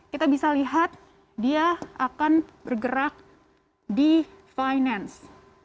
kita bisa lihat dia akan bergerak di finance